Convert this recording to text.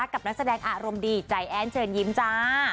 นักแสดงอารมณ์ดีใจแอ้นเชิญยิ้มจ้า